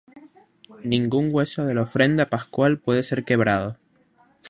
Ningún hueso de la ofrenda pascual puede ser quebrado.